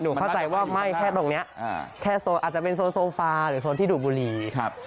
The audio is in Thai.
เข้าใจว่าไหม้แค่ตรงนี้แค่โซนอาจจะเป็นโซนโซฟาหรือโซนที่ดูดบุรีครับ